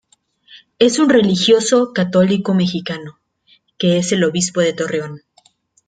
Es un religioso católico mexicano, que es el Obispo de Torreón.